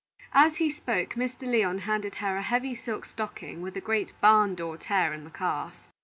As he spoke, Mr. Lyon handed her a heavy silk stocking with a great "barn door" tear in the calf.